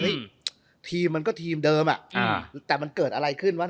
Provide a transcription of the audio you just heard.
ทีมมันก็ทีมเดิมอ่ะแต่มันเกิดอะไรขึ้นวะ